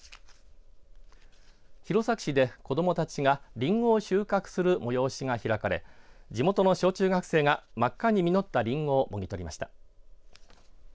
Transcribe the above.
弘前市で子どもたちがりんごを収穫する催しが開かれ地元の小中学生が真っ赤に実ったりんごをもぎ取りました